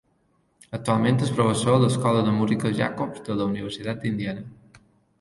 Actualment és professor a l'Escola de Música Jacobs de la Universitat d'Indiana.